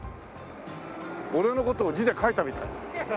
俺の事を字で書いたみたい。